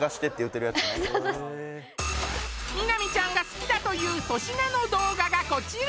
美波ちゃんが好きだという粗品の動画がこちら